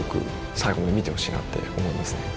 最後まで見てほしいなって思いますね。